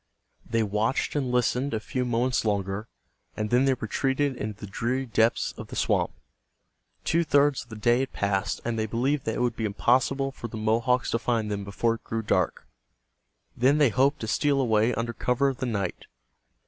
They watched and listened a few moments longer, and then they retreated into the dreary depths of the swamp. Two thirds of the day had passed, and they believed that it would be impossible for the Mohawks to find them before it grew dark. Then they hoped to steal away under cover of the night.